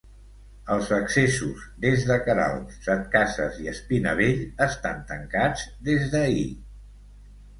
Els accessos des de Queralbs, Setcases i Espinavell estan tancats des d'ahir.